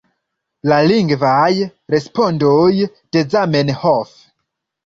La lingvaj respondoj de Zamenhof